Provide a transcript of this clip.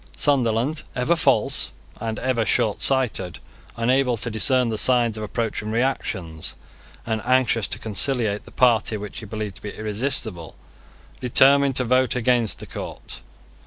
Sunderland, ever false, and ever shortsighted, unable to discern the signs of approaching reaction, and anxious to conciliate the party which he believed to be irresistible, determined to vote against the court.